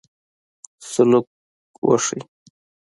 سلوک وشي.